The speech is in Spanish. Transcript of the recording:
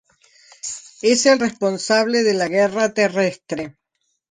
Es el responsable de la guerra terrestre.